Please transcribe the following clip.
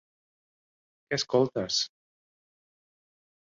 Què escoltes?